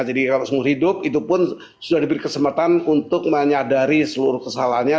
jadi kalau seumur hidup itu pun sudah diberi kesempatan untuk menyadari seluruh kesalahannya